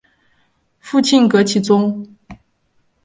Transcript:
父亲戈启宗。